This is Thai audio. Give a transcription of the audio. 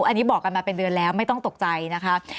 อันนี้บอกกันมาเป็นเดือนแล้วไม่ต้องตกใจนะคะ